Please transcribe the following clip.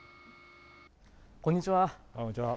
こんにちは。